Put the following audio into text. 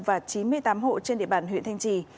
và chín mươi tám hộ trên địa bàn huyện thanh trì